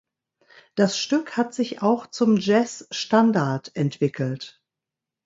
Das Stück hat sich auch zum Jazzstandard entwickelt.